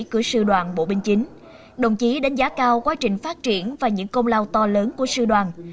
của sư đoàn bộ binh chính đồng chí đánh giá cao quá trình phát triển và những công lao to lớn của sư đoàn